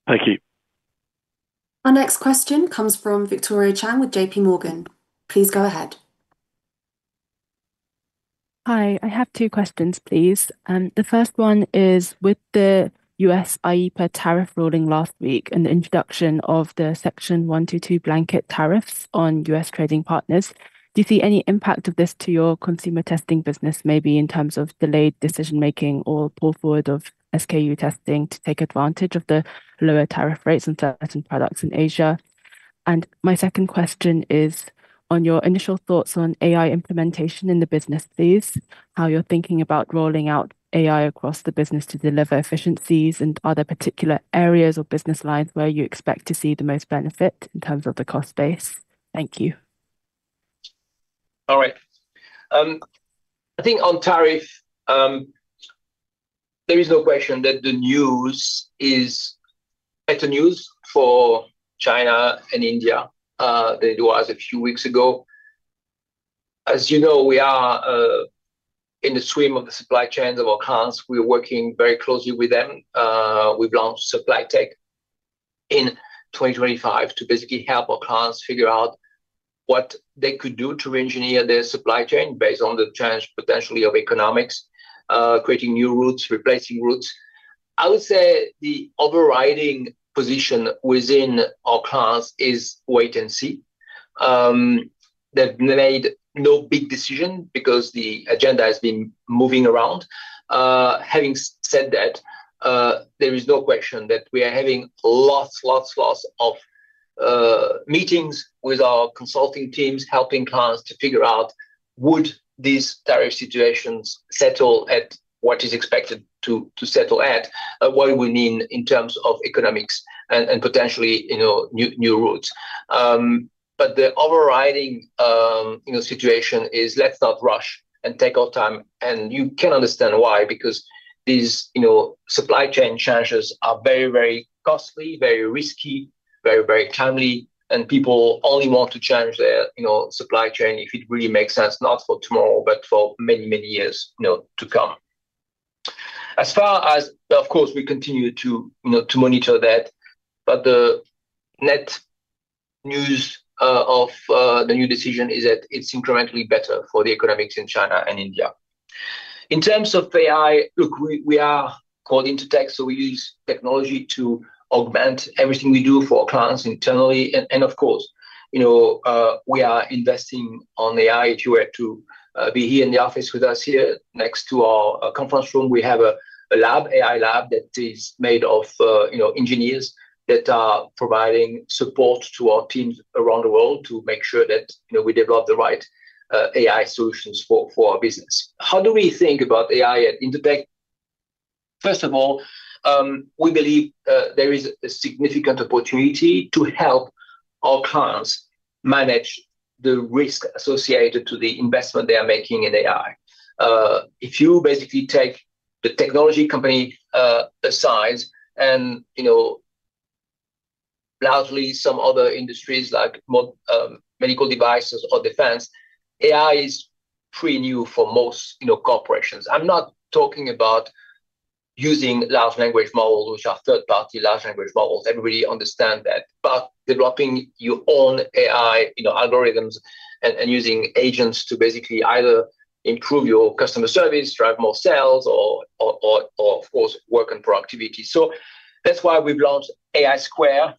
Thank you. Our next question comes from Karen So with J.P. Morgan. Please go ahead. Hi. I have two questions, please. The first one is with the U.S. IEEPA tariff ruling last week and the introduction of the Section 122 blanket tariffs on U.S. trading partners, do you see any impact of this to your consumer testing business, maybe in terms of delayed decision-making or pull forward of SKU testing to take advantage of the lower tariff rates on certain products in Asia? My second question is on your initial thoughts on AI implementation in the business, please. How you're thinking about rolling out AI across the business to deliver efficiencies and are there particular areas or business lines where you expect to see the most benefit in terms of the cost base? Thank you. All right. I think on tariff, there is no question that the news is better news for China and India than it was a few weeks ago. As you know, we are in the swim of the supply chains of our clients. We're working very closely with them. We've launched SupplyTek in 2025 to basically help our clients figure out what they could do to reengineer their supply chain based on the change potentially of economics, creating new routes, replacing routes. I would say the overriding position within our clients is wait and see. They've made no big decision because the agenda has been moving around. Having said that, there is no question that we are having lots, lots of meetings with our consulting teams, helping clients to figure out would these tariff situations settle at what is expected to settle at, what we mean in terms of economics and, potentially, you know, new routes. The overriding, you know, situation is let's not rush and take our time. You can understand why because these, you know, supply chain changes are very, very costly, very risky, very, very timely, and people only want to change their, you know, supply chain if it really makes sense, not for tomorrow, but for many, many years, you know, to come. As far as. Of course, we continue to, you know, to monitor that, the net news of the new decision is that it's incrementally better for the economics in China and India. In terms of AI, look, we are called Intertek, we use technology to augment everything we do for our clients internally. Of course, you know, we are investing on AI. If you were to be here in the office with us here, next to our conference room, we have a lab, AI lab that is made of, you know, engineers that are providing support to our teams around the world to make sure that, you know, we develop the right AI solutions for our business. How do we think about AI at Intertek? First of all, we believe there is a significant opportunity to help our clients manage the risk associated to the investment they are making in AI. If you basically take the technology company aside and, you know, largely some other industries like more medical devices or defense, AI is pretty new for most, you know, corporations. I'm not talking about using large language models, which are third-party large language models. Everybody understand that. Developing your own AI, you know, algorithms and using agents to basically either improve your customer service, drive more sales or of course, work on productivity. That's why we've launched AI Square,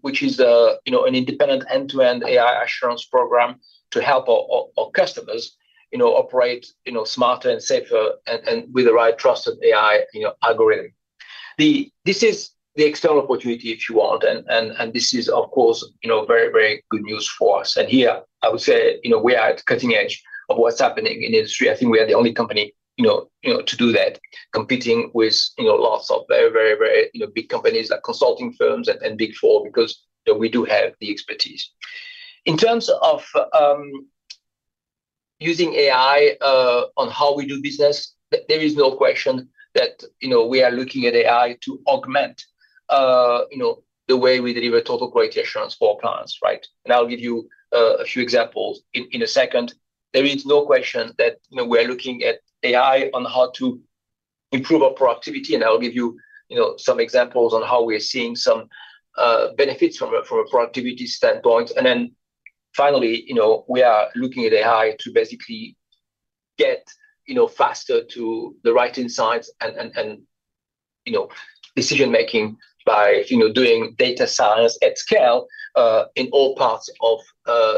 which is, you know, an independent end-to-end AI assurance program to help our customers, you know, operate, you know, smarter and safer and with the right trusted AI, you know, algorithm. This is the external opportunity if you want, and this is of course, you know, very good news for us. Here I would say, you know, we are at cutting edge of what's happening in industry. I think we are the only company, you know, to do that, competing with, you know, lots of very big companies like consulting firms and Big Four because, you know, we do have the expertise. In terms of, using AI, on how we do business, there is no question that, you know, we are looking at AI to augment, you know, the way we deliver total quality assurance for our clients, right? I'll give you a few examples in a second. There is no question that, you know, we are looking at AI on how to improve our productivity, and I'll give you know, some examples on how we are seeing some benefits from a productivity standpoint. Finally, you know, we are looking at AI to basically get, you know, faster to the right insights and, and, you know, decision-making by, you know, doing data science at scale in all parts of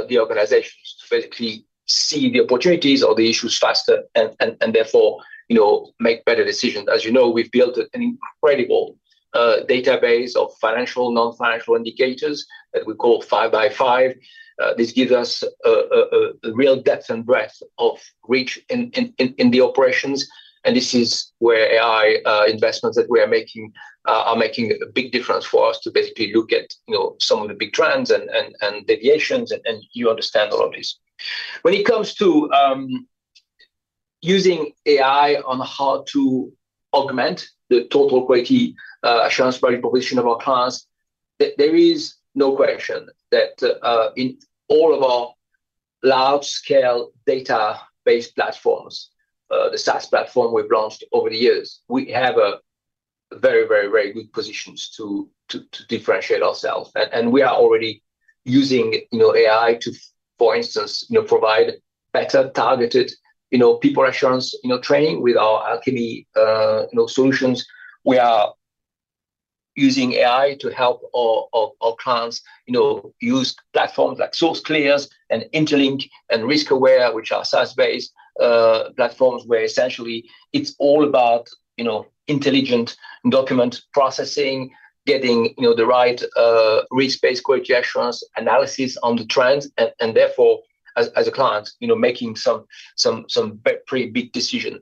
the organization to basically see the opportunities or the issues faster and, and therefore, you know, make better decisions. As you know, we've built an incredible database of financial, non-financial indicators that we call Five-by-Five. This gives us a, a real depth and breadth of reach in, in the operations, and this is where AI investments that we are making are making a big difference for us to basically look at, you know, some of the big trends and, and deviations, and you understand a lot of this. When it comes to, using AI on how to augment the total quality assurance value proposition of our clients, there is no question that, in all of our large scale data-based platforms, the SaaS platform we've launched over the years, we have a very good positions to differentiate ourselves. We are already using, you know, AI to, for instance, you know, provide better targeted, you know, people assurance, you know, training with our Alchemy, you know, solutions. We are using AI to help our clients, you know, use platforms like SourceClear and InterLink and RiskAware, which are SaaS-based platforms where essentially it's all about, you know, intelligent document processing, getting, you know, the right risk-based quality assurance analysis on the trends and therefore, as a client, you know, making some pretty big decision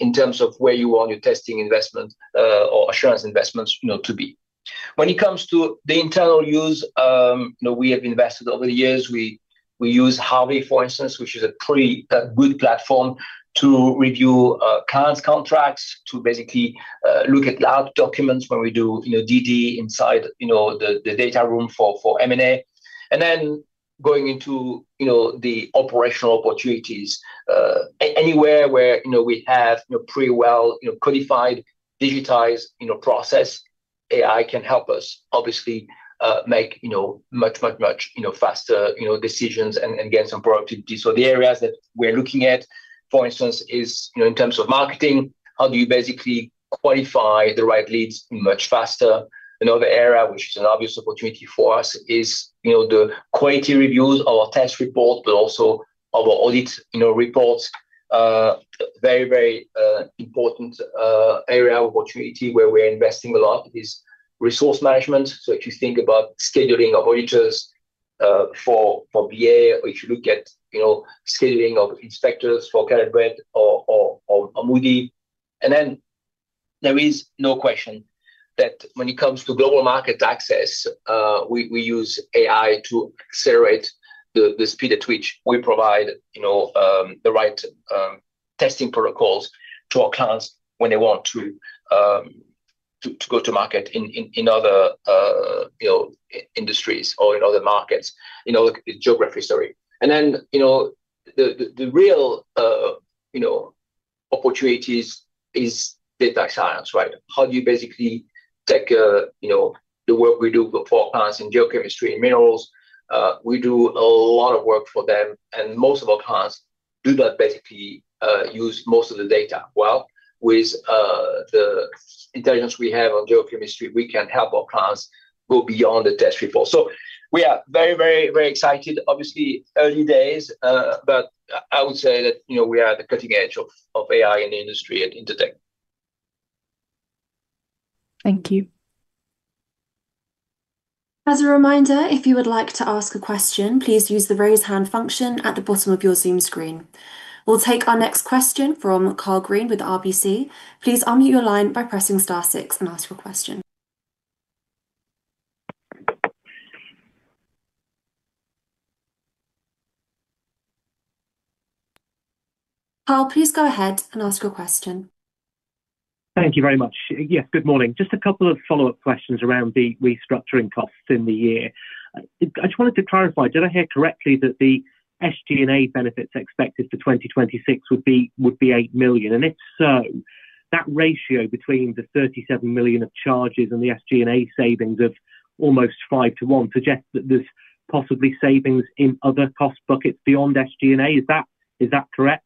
in terms of where you want your testing investment or assurance investments, you know, to be. When it comes to the internal use, you know, we have invested over the years. We use Harvey, for instance, which is a pretty good platform to review clients' contracts, to basically look at large documents when we do, you know, DD inside, you know, the data room for M&A. Going into, you know, the operational opportunities, anywhere where, you know, we have, you know, pretty well, you know, codified, digitized, you know, process, AI can help us obviously make, you know, much, much, much faster, you know, decisions and gain some productivity. The areas that we're looking at, for instance, is, you know, in terms of marketing, how do you basically qualify the right leads much faster? Another area which is an obvious opportunity for us is, you know, the quality reviews, our test report, but also our audit, you know, reports. Very, very important area of opportunity where we're investing a lot is resource management. If you think about scheduling auditors for BA, or if you look at, you know, scheduling of inspectors for Caleb Brett or Moody. There is no question that when it comes to global market access, we use AI to accelerate the speed at which we provide, you know, the right testing protocols to our clients when they want to go to market in other, you know, industries or in other markets, you know, geography story. You know, the real, you know, opportunity is data science, right? How do you basically take, you know, the work we do for clients in geochemistry and minerals? We do a lot of work for them, and most of our clients do not basically use most of the data. Well, with the intelligence we have on geochemistry, we can help our clients go beyond the test report. We are very, very, very excited. Obviously early days, but I would say that, you know, we are at the cutting edge of AI in the industry at Intertek. Thank you. As a reminder, if you would like to ask a question, please use the raise hand function at the bottom of your Zoom screen. We'll take our next question from Karl Green with RBC. Please unmute your line by pressing star six and ask your question. Karl, please go ahead and ask your question. Thank you very much. Yes, good morning. Just a couple of follow-up questions around the restructuring costs in the year. I just wanted to clarify, did I hear correctly that the SG&A benefits expected for 2026 would be 8 million? If so, that ratio between the 37 million of charges and the SG&A savings of almost five to one suggests that there's possibly savings in other cost buckets beyond SG&A. Is that correct?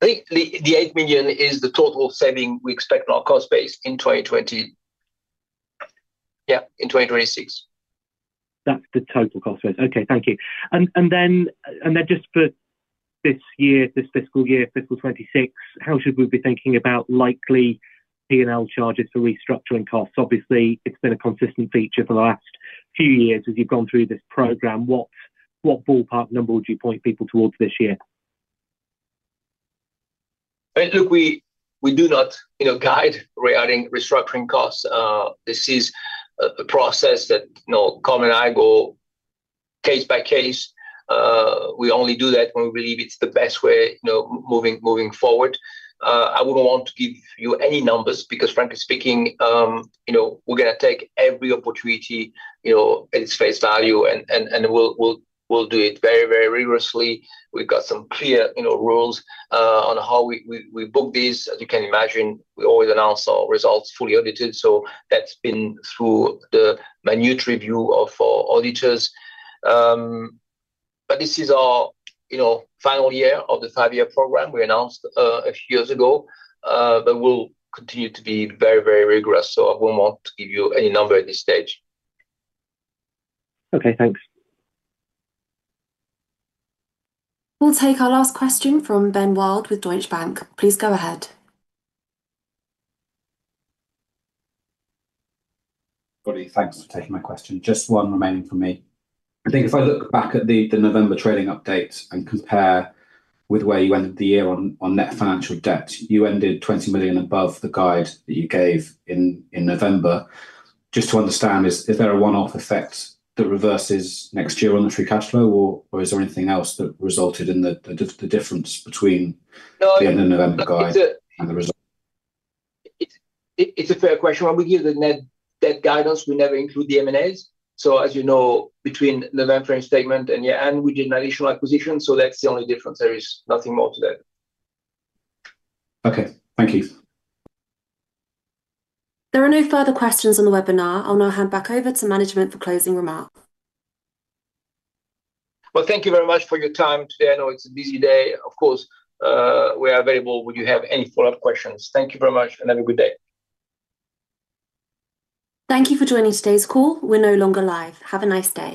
The 8 million is the total saving we expect on our cost base in 2026. That's the total cost base. Okay, thank you. Then just for this year, this fiscal year, fiscal 2026, how should we be thinking about likely P&L charges for restructuring costs? Obviously, it's been a consistent feature for the last few years as you've gone through this program. What ballpark number would you point people towards this year? Look, we do not, you know, guide regarding restructuring costs. This is a process that, you know, Colm and I go case by case. We only do that when we believe it's the best way, you know, moving forward. I wouldn't want to give you any numbers because frankly speaking, you know, we're gonna take every opportunity, you know, at its face value and we'll do it very, very rigorously. We've got some clear, you know, rules on how we book these. As you can imagine, we always announce our results fully audited, so that's been through the minute review of our auditors. This is our, you know, final year of the five-year program we announced a few years ago. We'll continue to be very, very rigorous, so I won't want to give you any number at this stage. Okay, thanks. We'll take our last question from Ben Wild with Deutsche Bank. Please go ahead. André, thanks for taking my question. Just one remaining from me. I think if I look back at the November trading update and compare with where you ended the year on net financial debt, you ended 20 million above the guide that you gave in November. Just to understand, is there a one-off effect that reverses next year on the free cash flow or is there anything else that resulted in the difference between? No. The end of November guide and the result? It's a fair question. When we give the net debt guidance, we never include the M&As. As you know, between the November statement and year-end, we did an additional acquisition, so that's the only difference. There is nothing more to that. Okay, thank you. There are no further questions on the webinar. I'll now hand back over to management for closing remarks. Well, thank you very much for your time today. I know it's a busy day. Of course, we are available would you have any follow-up questions. Thank you very much and have a good day. Thank you for joining today's call. We're no longer live. Have a nice day.